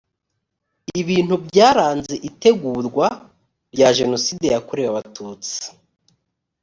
ibintu byaranze itegurwa rya jenoside yakorewe abatutsi